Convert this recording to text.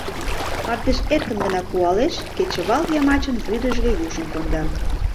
Мардеж эркын гына пуалеш, кечывалйымачын вӱдыжгӧ южым конда.